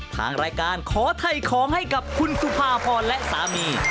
ทางรายการขอถ่ายของให้กับคุณสุภาพรและสามี